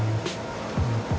terus gue reflek meluk dia